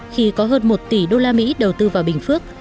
khi có hơn một tỷ usd đầu tư vào bình phước